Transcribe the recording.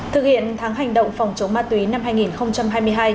thực hiện tháng hành động phòng chống ma túy năm hai nghìn hai mươi hai